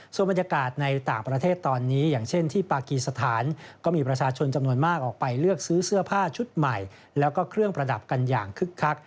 ส่วนบรรยากาศในต่างประเทศตอนนี้อย่างเช่นที่ปากีสถานก็มีประชาชนจำนวนมากออกไปเลือกซื้อเสื้อผ้าชุดใหม่แล้วก็เครื่องประดับกันอย่างคึกคัก